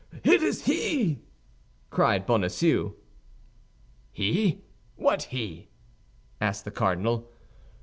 "It is he!" cried Bonacieux. "He! What he?" asked the cardinal.